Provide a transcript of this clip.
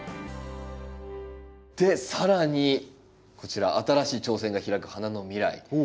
で更にこちら「新しい挑戦が拓く花の未来」。